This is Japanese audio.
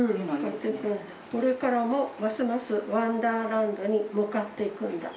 「これからもますますワンダーランドに向かっていくんだ」。